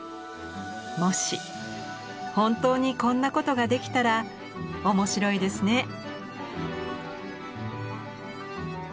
もし本当にこんなことができたら面白いですね。